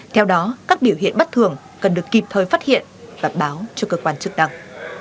theo đó các biểu hiện bất thường cần được kịp thời phát hiện và báo cho cơ quan chức năng